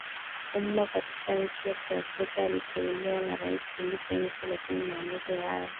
umma katika nchi hii ya kiafrikaAliteuliwa na Rais Filipe Nyusi lakini maamuzi hayo